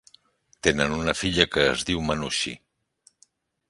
Tenen una filla que es diu Manushi.